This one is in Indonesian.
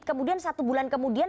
kemudian satu bulan kemudian